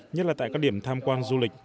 nhất là tại các điểm tham quan du lịch